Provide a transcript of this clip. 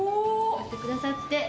寄ってくださって。